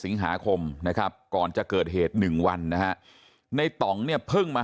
สิงหาคมนะครับก่อนจะเกิดเหตุ๑วันนะฮะในต่องเนี่ยเพิ่งมา